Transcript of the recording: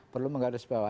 perlu mengadu sebab